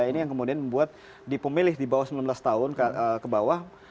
ini yang kemudian membuat di pemilih di bawah sembilan belas tahun ke bawah